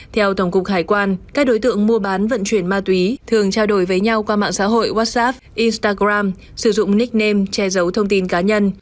theo tổng cục hải quan các đối tượng mua bán vận chuyển ma túy thường trao đổi với nhau qua mạng xã hội whatsapp instagram sử dụng nickname che giấu thông tin cá nhân